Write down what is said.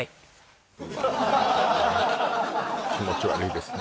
うわ気持ち悪いですね